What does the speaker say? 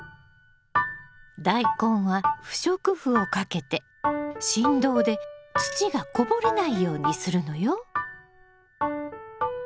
ダイコンは不織布をかけて振動で土がこぼれないようにするのよ。